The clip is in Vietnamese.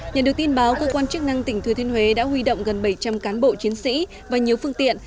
nhận được tin báo cơ quan chức năng tỉnh thừa thiên huế đã huy động gần bảy trăm linh cán bộ chiến sĩ và nhiều phương tiện